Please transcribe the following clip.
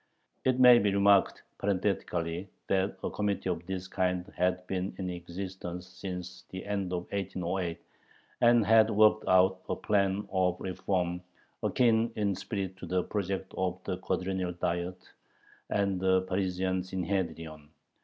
It may be remarked parenthetically that a committee of this kind had been in existence since the end of 1808, and had worked out a "plan of reform" akin in spirit to the projects of the Quadrennial Diet and the Parisian Synhedrion.